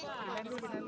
yang ini yang ini dulu